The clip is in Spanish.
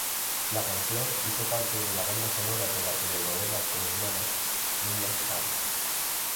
La canción hizo parte de la banda sonora de la telenovela colombiana Niñas mal.